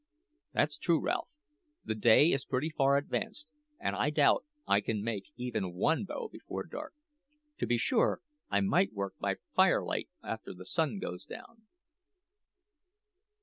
"That's true, Ralph. The day is pretty far advanced, and I doubt if I can make even one bow before dark. To be sure, I might work by firelight after the sun goes down."